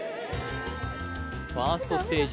ファーストステージ